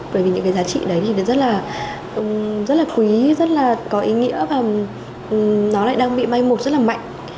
bởi vì những cái giá trị đấy thì rất là quý rất là có ý nghĩa và nó lại đang bị may một rất là mạnh